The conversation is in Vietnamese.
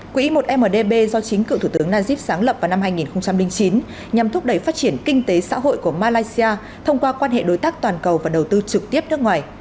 quỹ một mdb do chính cựu thủ tướng najib sáng lập vào năm hai nghìn chín nhằm thúc đẩy phát triển kinh tế xã hội của malaysia thông qua quan hệ đối tác toàn cầu và đầu tư trực tiếp nước ngoài